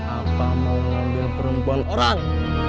apa mau ngambil perempuan orang